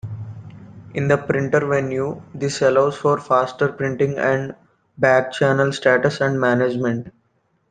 In the printer venue, this allows for faster printing and back-channel status and management.